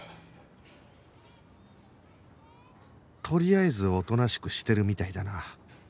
とりあえずおとなしくしてるみたいだな